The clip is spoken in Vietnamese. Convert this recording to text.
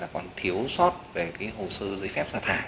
còn thiếu sót về hồ sư giấy phép xả thải